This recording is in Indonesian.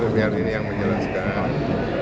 biar ini yang menjelaskan